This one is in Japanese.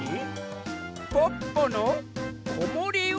「ポッポのこもりうた券」？